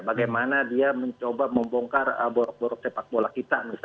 bagaimana dia mencoba membongkar borok borok sepak bola kita